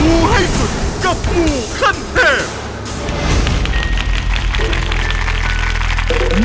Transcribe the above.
ูให้สุดกับงูขั้นเทพ